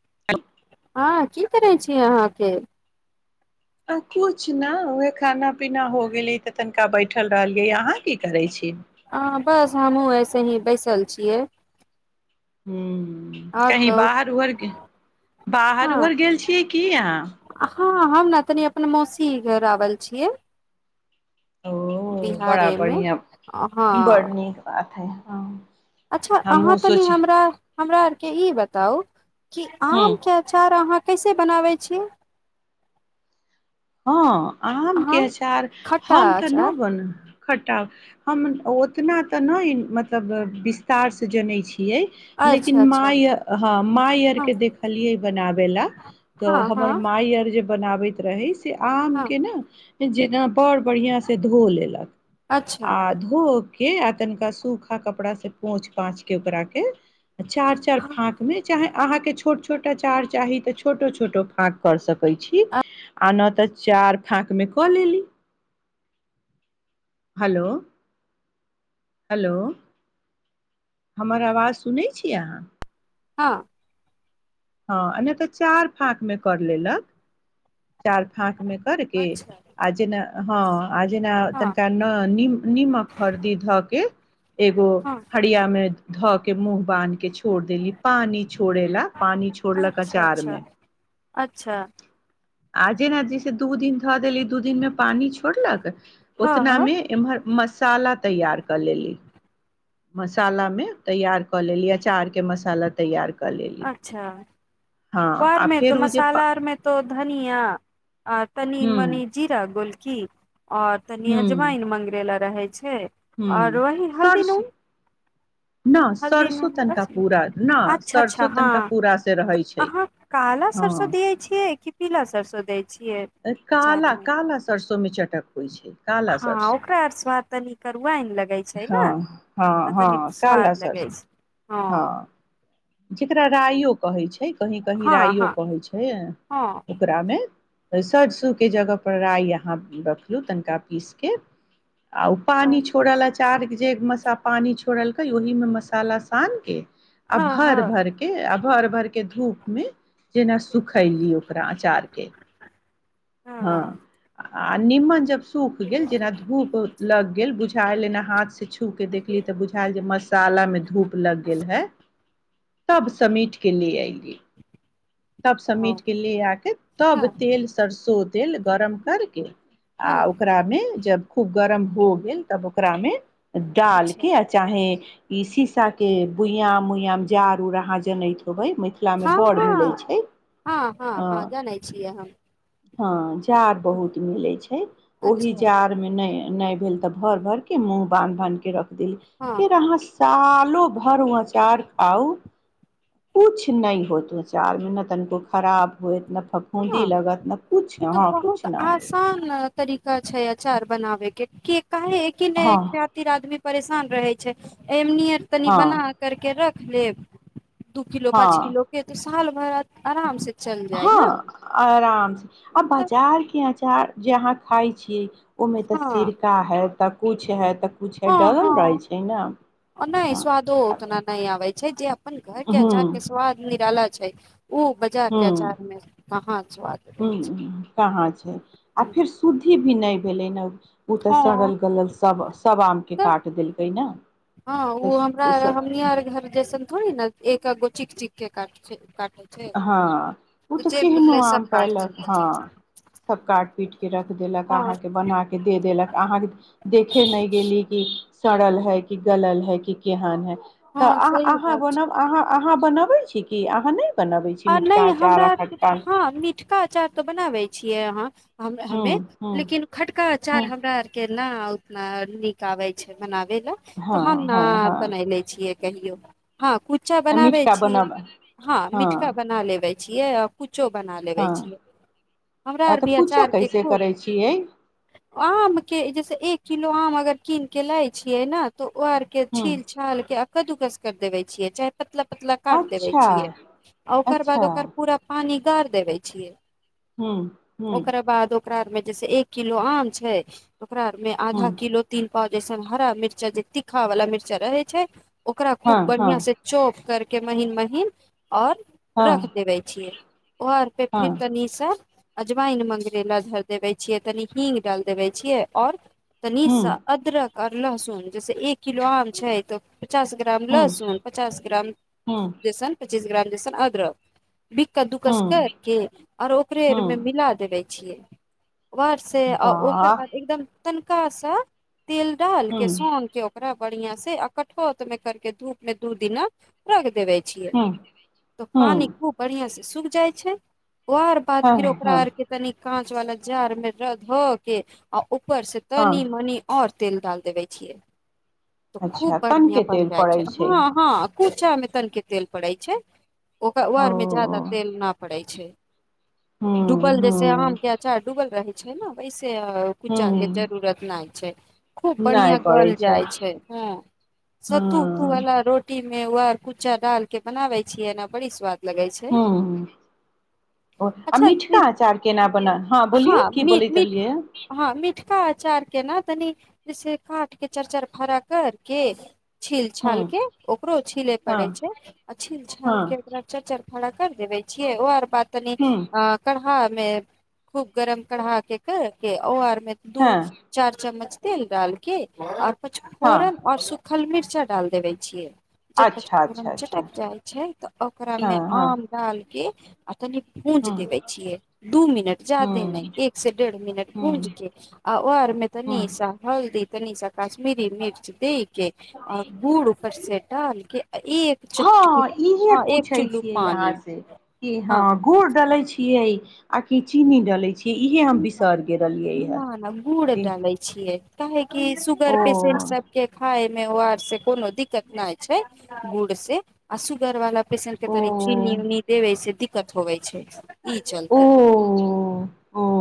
[unintelligible] हँ की करै छी अहाँके आ कुछ न ओह खाना पीना हो गेली तऽ तन बैठल रहलियै अहाँ की करै छी से ही बैसल छियै हू आओर कही कहू बाहर आओर हँ बाहर गेल छी की अहाँ? हँ हम ने तनि अपन मौसी घर आवल छियै ओ बड़ा बिहारे मे बढ़िया बड़ हँ नीक बात थ ह अच्छा अहाँ तनि हमरा हमरा आरके ई बताउ क हूँ आम के आचार अहाँ कैसे बनाबै छियै हँ आमके अहाँ अचार खट्टा हम तऽ नहि अचार बन खटाउ हम ओतना तऽ नहि मतलब बिस्तार से जनै छी छियै अच्छा लेकिन अच्छा माइ ह माइ आर हँ के देखलियै बनाबैला तऽ हँ हमर हँ माइ आर जे बनाबैत रहिस आम हँ के न जेना बड़ बढ़िया से धो लेलक अच्छा आ धो के आ तनिका सूखा कपड़ा से पोछ पाछ के ओकरा के चार चार हँ फाँक में चाहे अहाँकेँ छोट छोटा अचार चाही तऽ छोटो छोटो फाँक कर सकैत छी अ- आ न तऽ चारि फाँकमे कऽ लेली हेलो हेलो हमर आवाज सुनै छी अहाँ हँ हँ नहि तऽ चारि फाँकमे कर लेलक चारि फाँकमे करि कऽ अच्छा आ जेना हँ आ जेना हँ तनिका न निम निमक हरदि धऽ कऽ एगो हँ हड़िया मे धऽ के मुँह बाँध के छोड़ देली पानी छोड़े ला पानी छोड़लक अच्छा अचार अच्छा मे अच्छा आ जेना जे से दू दिन धऽ देली दू दिन मे पानी छोड़लक हँ ओतना हँ मे इमहर मसा मसाला तैयार कऽ लेली मसालामे तैयार कऽ लेली अचारके मसाला तैयार कऽ लेली अच्छा हँ आ घरमे तो फेर ओ जे मसाला आरमे तो धनिया आ तनी ह मनी जीरा गोल कि आओर तनी ह अजमाइन मंगरेेल रहै छै ह आओर वही हल्दी सरसो नून न हल्दी सरसो नून तनिका बस पूरा न अच्छा सर अच्छा हँ तऽ अहाँ काला सरसो हँ दियै छियै की पीला सरसो दै छियै अचार काला मे काला सरसों तो ओमे चटक होइ छै काला हँ, सरसो ओकरा आओर स्वाद तनि करुआन लगै छै ने, हँ हँ तऽ तनि हँ काला स्वादिष्ट लगै सरसो छै हँ। जेकरा रायो कहै छै कही कहीं हँ राइयो हँ कहै छै हँ ओकरामे सरसूके जगह पर राइ अहाँ रखियौ तनिका पीस के आउ अ, पानी छोड़ लय सागक जे मे स पानि छोड़लकै ओहिमे मसाला सान के अब हँ भर हँ भर के अभ् भर भर के धूप मे जेना सुखैली ओकरा अचारके हँ आ निमनजप सूख गेल जेना धूप हो लग गेल बुझायल एना हाथ से छु छु के देखली तऽ बुझायल जे मसालामे धूप लग गेल छै सभ समीट के ले अइली सभ समीट हँ के ले आके तब तेल सरसो तेल गरम करके आ हँ ओकरामे जब खूब गरम हो गेल तब ओकरामे डाल अच्छा के आ चाहें इ सीसा के बुइयाँ मुइ जारूर अहाँ जनैत बई मिथिला में बड़ मिलय छैय। हाँ हँ हँ जनैय छियै हम हँ छ जाड़ बहुत मिलय छै। ओहि अच्छा जाड़ में नहि नहि भेल तऽ भोर भर के मुंह बान्ह बान्ह के रह देली हँ फेर अहाँ साल लो भरुआचार खाउ कुछ नहि हो तचारमे तनिको खराब होइत हँ इ तो कुछ बहुत न होयत आसान तरीका छै अचार बनाबे के की का एकी नहि एक हँ खातिर आदमी परेशान रहे छे ए नीअर तनी बना हँ करके र लेब दू किलो पाँच हँ किलो के देत चल आराम से चल जाइ हँ ने आराम से आ तऽ बाजार क च जे अहाँ खााय छियै ओहिमे त हँ सीरका है तऽ कुछ है तऽ किछ हँ डरल रहै हँ छै ने आ नहि ह स्वादो उतना नहि आबै छै जे अपन घर के अचार के स्वाद निराला छै छै ओ बजा के हूँ अचार मे कहा ज्यादा रहै छै हूँ कहाँ छै आ हूँ, फेर शुद्धि भी नहि भेलै ने ओ तऽ हँ सड़ल गलल सभ सभ आमकेँ तऽ काट देलकै ने हँ तऽ ओ हमरा स् स् हमनी आर घर जैसन थोड़ी ने एक अगो चिक चीक केटट हँ ओ तऽ केहनो आ सब काट पलक देलकै हँ सभ काट पीट के रख देलक हँ अहके बनााकेलक अहाँके देखे नहि गेली कि सड़ल है कि गलल है कि केहन है तऽ हँ अह सही अहाँ बात छै बोनब अहाँ अहाँ फोन अबै छी की अहाँ नए आ नहि हमरा हँ मिठका अचाउ तऽ बनाबे छियै अहाँ हूँ हमे हूँ लेकिन खटका हूँ अचार हमरा आर के ला उतना नीक आबे छै बनाब तऽ हँ हम न हँ बन हँ ले छीयै कल यौ हँ कुच्चा बनाबे मिटका छीयै बनब हँ मि ा बना लेबै छियै किछु ो बना लेबे छ हँ हमरा आ आर तऽ भी पूजा आचार के कैसे खूब करै छियै आम के जैसे एक किलो आम अगर कीन के लै छियै ने तो ओ आर के हूँ छील छाल के कद्दू कस कर देबे छियै चाहे पतला पतला काट देबै अच्छा छीऐ आ ओकर अच्छा बाद ओकर पूरा पानी उधार देबे छियै हँ हँ तकर मे जैना एक किलो आम छै। ओकरा में हूँ आधा किलो तीन पाऊ जैसन हरा मिर्चा जे तीखा वाला मिर्चा रहै छै। ओकरा हँ खूब हँ बढ़िया से चोप करके के महीन महीन आओर हँ रख देबै छियै। ओह आर पे हँ फेर तनिसँ अजमइन मंगरैला धरि देबे छियै। तनी हींग डाल देबे छियै आओर तनीस हूँ अदरक लहसून जस एक किलो आम छै। त पचास ग्राम हूँ लसुन पचास ग्राम हूँ लसन पच्चीस ग्राम दन अदरक बिक्कस-दुक्कस क' हूँ कऽ आओर ओकरहि में हूँ मिला देबऽ। छियै वर से ओकर वाह बाद एकदम तन खास तेल हूँ डालके सोनके ओकरा बढ़िया से आ कठोत में कर के धूप में दू दिना रख देवे छिय हूँ त पानी हूँ खूब बढ़िआ छै। सुख जाइ छै ओर बाद हँ फिर ओकरा हँ आर के तनि काँच वाला जड़ मे रद् धो के उपर से तनी हँ मनी आउर तेल डाल देबै छियै तऽ अच्छा खूब बढ़िया तनिके बन तेल जाइ छै पड़ै हँ हँ खुब छाममे तनख पड़ै छै ओक ओ आर में जा्यदा तेल न पड़ै छै हूँ उबलल जेकाँ आम हूँ के अच्छा लगै छै, उबलल रहै तऽ। छै ने वै से कुचा के हूँ जरूरत नहि छै खूब नहि बढ़िया पड़ै गल जाय छै ह सत्तू उतू हूँ वाला रोटी ओहिमे उहै कुच्चा डालके के बनाबे छियै ना बड़ि स्वाद लगे छै ह्म्म ह आ अच्छा इ- मीठका अचार केना बनल हँ बोलियौ की मी बोलैत मी- रहलियै हँ मिठका अचार के न तनी जे काट के चार चार फारा करके छील छाल के ओकरो छिले हँ पड़ै छै आ छिल छाल के हँ ओकरा चार चार खड़ा कर देबे छियै ओ आर बात तनि हूँ आ करहा खूब गरम कढ़ा के कर के ओ आर दू हँ चार चम्मच तेल डालके आओर पच हँ फोरन और सु खल मिर्चा डालि देबै छियै जब अच्छा पचफोरन अच्छा अच्छा चटक जाइ छै तऽ ओकरा मे हँ हँ आम दाल के आ तनी भूज हूँ देवे छियै दू मिनट जादे नहि हूँ एक से डेढ़ मिनट भूज हूँ के आ ओर में तनि हूँ सा हल्दी तनीसा कश्मीरी मिर्च दी आ गूड़ पर से डालके आ ए हँ इहे पूछय छियै यहाँ पानी से कि हँ गुड़ डले छी छियै आ कि चीनी डाले छियै इहै हम बिसर गेल रहलियै न हे न गुड़ ई डालै छियै काहे कि ओ सुगर पेसेंट सब के खाय मे ओआर से कोनो दिक्कत न छै गुड़ से आ सुगर वाला बेसन के ओ तनी चीनी उनी देबे से दिक दिक्कत होवै छै ई ओ चलते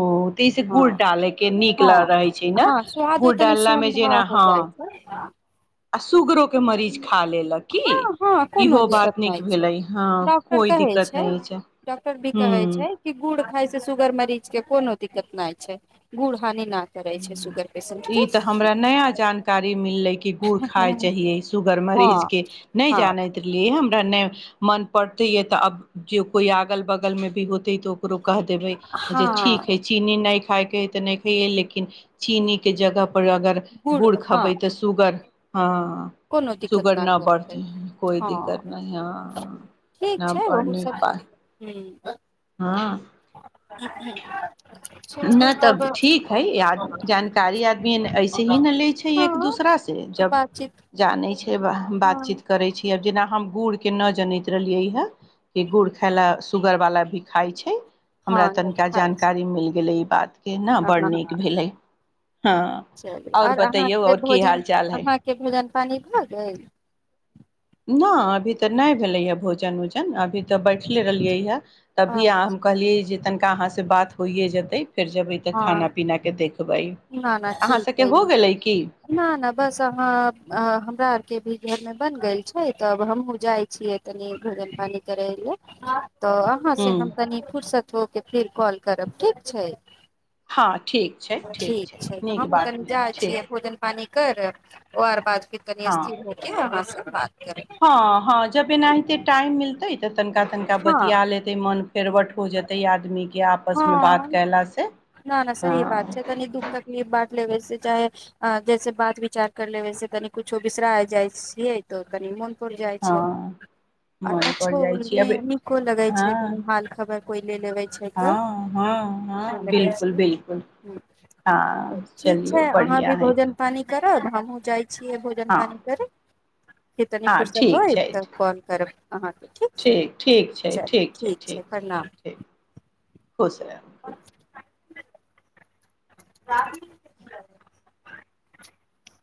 ओ तैसे हँ गुड़ डालै के नीक हँ रहै छै। ने हँ स्वादो गुड़ तनि डालामे सोन्धा जेना हो हँ जाइ छै आ सुगरो के मरीज खा लेलक की हँ हँ कोनो इहो दिक्कत बात नहि नीक छै। भेलै हँ डॉक्टर कोइ कहै दिक्कत छै। नहि डॉक्टर भी कहै हूँ छै, कि गुड़ खाइ छै। सुगर मरीज के कोनो दिक्कत नहि छै। हानि न करै छै सुगर पेशेंट के ई तऽ हमरा नया जानकारी मिलले गुड़ खाय हँ चाहिए सुगर मरीज हँ के नहि हँ जानैत रहियै हमरा नहि मन पड़ते है, तऽ अब ज कोइ अगल बगलमे भी होत है त करो कह देबे जे ठीक है, हँ चीनी न खायके इतने कह य लेकिन चीनी के जगह पर पर अगर गुड़ खेबै तऽ सुगर हँ कोनो दिक्कत सुगर न करतै बढ़तै कोइ हँ, दिक्कत नहि हँ ठीक न छै। बड़ ओह नीक सब बात ह हँ जती नऽ, तब ठीक छै। ई जानकारी आदमी एहनहि हँ एक-दोसरासँ बातचीत लै छै। से हँ बातचीत करै छी आब जेना हम गुड़ के नहि जनैत रहलियै हँ कि गुड़ खाय लए सुूगर वाला भी खाइ छै हँ हमरा नहि तनिका खाइ छै जानकारी मिलत ई बात के ने हँ बड़ हँ हँ नीक भेलै हँ चलू आओर बतैयौ अहाँके आओर की हाल भोजन चाल हइ अहाँके भोजन पानी भ गेल गेल नहि अभी तऽ नहि भेलैए भोजन उजन अभी तऽ बैठले रहलियै हए तभी अहाँ हम अच्छा कहलियै जे तनिका अहाँसँ बात होइए जेतै फेर जबै तऽ हँ खाना पीना के देख न न ठीक हैइ की न न बस अहाँ हमरा आरके भी घर मे बन गेल छै तब हमहुँ जाइ छियै तनी भोजन पानी करै ल तऽ ह अहाँसँ हम कनि फुुरसत होके फेर कॉल करब ठीक छै हँ ठीक छै ठीक छै, तऽ नीक हम बात ओ जा भेलै ठीक छियै। भोजन पानी कर वर बाद कतनी हँ स्थीके [unintelligible] हँ हँ जब एनाहिते टाइम मिलतै तऽ तनिका तनिका हँ बतिआ लेतै मोन फेरवट हो जेते आदमी के आपसमे बात हँ कयलासँ न न सही हँ बात छै तनी दुःख तकलीफ बाँट लेबे से चाहे जैसे बात विचार कर लेबै से कनि कुछो बिसरा जाइ छियै तऽ कनि मन उड़ जाइ छै हँ आऔर मन पड़ अच्छो जाइ छी अब नीको लगै हँ छै कनि हाल खबर कोई ले लेबे छै तऽ हँ नीको हँ लगै बिलकुल छै बिलकुल हूँ, हँ चलियौ बढ़ियां है तब हमहु जाइ छियै भोजन पानी करै कि तनी हँ फुरसत ठीक होय छै तऽ कॉल करब अहाँके ठीक छै चलू ठीक छै प्रणाम खुश रह [unintelligible] [unintelligible]